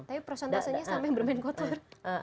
tapi prosentasenya sampai bermain kotor